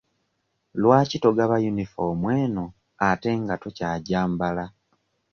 Lwaki togaba yunifoomu eno ate nga tokyagyambala?